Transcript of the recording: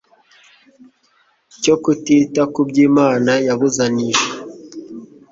cyo kutita ku byo Imana yabuzanyije